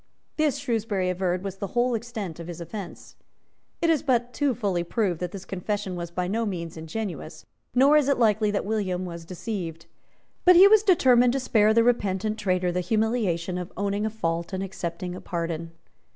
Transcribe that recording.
This, Shrewsbury averred, was the whole extent of his offence. It is but too fully proved that this confession was by no means ingenuous; nor is it likely that William was deceived. But he was determined to spare the repentant traitor the humiliation of owning a fault and accepting a pardon.